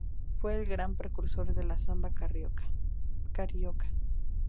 Fue el gran precursor de la Samba carioca.